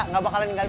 gimana bunga aja